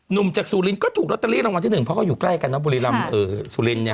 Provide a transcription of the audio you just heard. หนุ่มจากสุรินก็ถูกลอตเตอรี่รางวัลที่หนึ่งเพราะเขาอยู่ใกล้กันนะบุรีรำสุรินเนี่ย